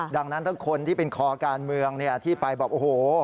ดังนั้นถ้าคนที่เป็นคอการเมืองที่ไปแบบโอ้โห